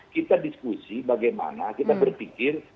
kita diskusi bagaimana kita berpikir